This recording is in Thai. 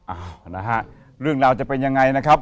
อ่านะฮะเรื่องราวจะเป็นยังไงนะครับ